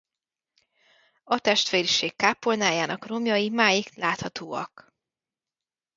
A testvériség kápolnájának romjai máig láthatóak.